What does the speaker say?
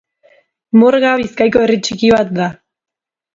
Morga Bizkaiako herri txiki bat da